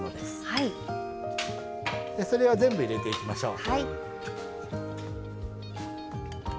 でそれは全部入れていきましょう。